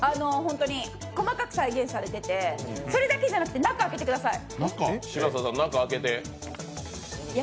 パッケージや包み紙も細かく再現されててそれだけじゃなくて中開けてください。